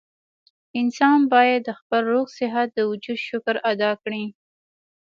انسان بايد د خپل روغ صحت د وجود شکر ادا کړي